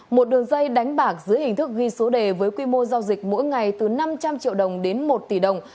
một đường dây đánh bạc dưới hình thức ghi số đề với quy mô giao dịch mỗi ngày từ năm trăm linh triệu đồng đến một tỷ đồng